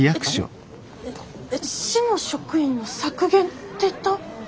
えっ市の職員の削減って言った？